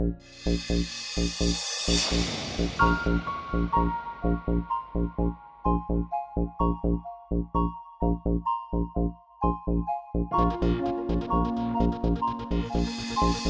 gak usah sebego